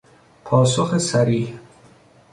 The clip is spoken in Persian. پاسخ صریح